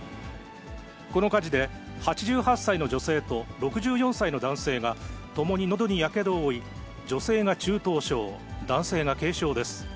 この火事で、８８歳の女性と６４歳の男性が、ともにのどにやけどを負い、女性が中等症、男性が軽傷です。